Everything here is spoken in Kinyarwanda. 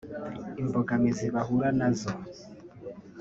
imbogamizi bahura nazo